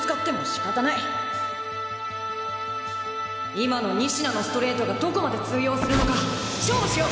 今の仁科のストレートがどこまで通用するのか勝負しよう！